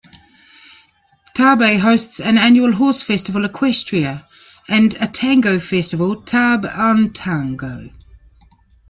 Tarbes hosts an annual horse festival, Equestria, and a Tango festival, Tarbes en Tango.